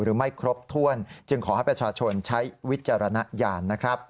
หรือไม่ครบถ้วนจึงขอให้ประชาชนใช้วิจารณญาณ